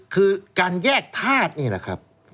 คือการแยกธาตุนี่แหละครับ